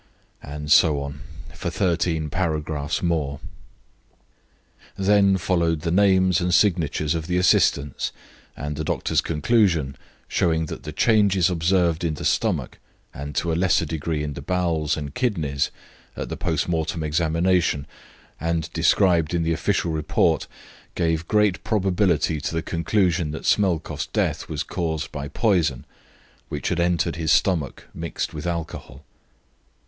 And so on for 13 paragraphs more. Then followed the names and signatures of the assistants, and the doctor's conclusion showing that the changes observed in the stomach, and to a lesser degree in the bowels and kidneys, at the postmortem examination, and described in the official report, gave great probability to the conclusion that Smelkoff's death was caused by poison which had entered his stomach mixed with alcohol.